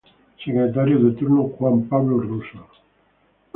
Secretario de Turno: Juan Pablo Russo.